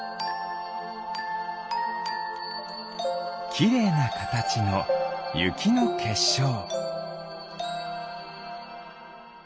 きれいなかたちのゆきのけっしょう。